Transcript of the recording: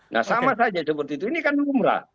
nah sama saja seperti itu ini kan umrah